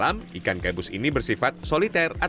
ada yang dijual bibitnya silahkan dibesarkan